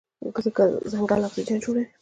ځنګل اکسیجن جوړوي.